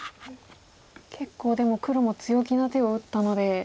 結構でも黒も強気な手を打ったので。